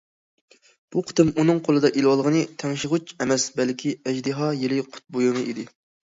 بۇ قېتىم ئۇنىڭ قولىدا ئېلىۋالغىنى تىڭشىغۇچ ئەمەس، بەلكى ئەجدىھا يىلى قۇت بۇيۇمى ئىدى.